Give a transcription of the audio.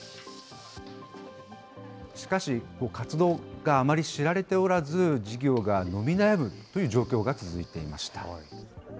しかし活動はあまり知られておらず、事業が伸び悩むという状況が続いていました。